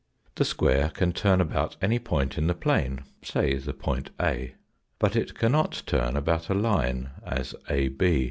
The square can turn about any point in the plane say the point A. But it cannot turn about a line, as AB.